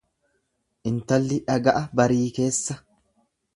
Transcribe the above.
Intalli dhaga'a barii keessa.